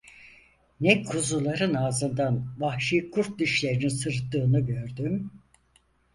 Ne kuzuların ağzından vahşi kurt dişlerinin sırıttığını gördüm…